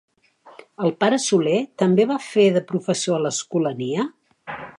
El pare Soler també va fer de professor a l'Escolania?